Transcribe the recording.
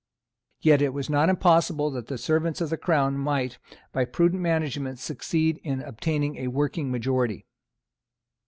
Yet it was not impossible that the servants of the Crown might, by prudent management, succeed in obtaining a working majority.